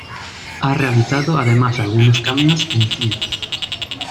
Ha realizado además algunos cameos en cine.